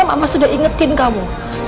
mama sudah ingetin kamu